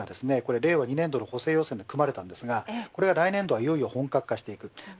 令和２年度の補正予算案に組まれましたがこれが来年度はいよいよ本格化していきます。